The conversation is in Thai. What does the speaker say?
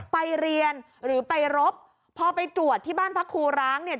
ไปเรียนหรือไปรบพอไปตรวจที่บ้านพักครูร้างเนี่ย